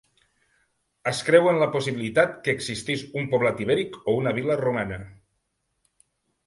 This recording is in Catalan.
Es creu en la possibilitat que existís un poblat ibèric o una vila romana.